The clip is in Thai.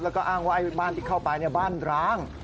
แล้วก็อ้างว่าบ้านที่เข้าไปบ้านร้าง